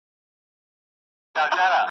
ګواکي« هغسي غر هغسي کربوړی .